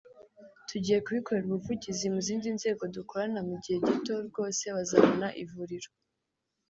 tugiye kubikorera ubuvugizi mu zindi nzego dukorana mu gihe gito rwose bazabona ivuriro”